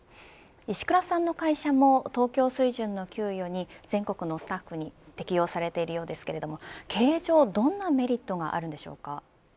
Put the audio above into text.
石倉さんの会社も東京水準の給与が全国のスタッフに適用されているようですけれども経営上どんなメリットがあるんでしょうか。